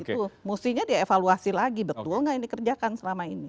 itu mestinya dievaluasi lagi betul nggak yang dikerjakan selama ini